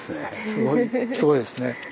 すごいですね。